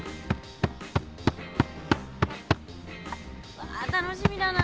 うわ楽しみだな。